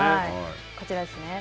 こちらですね。